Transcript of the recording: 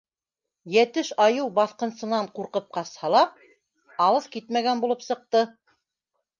Йәтеш айыу баҫҡынсынан ҡурҡып ҡасһа ла, алыҫ китмәгән булып сыҡты.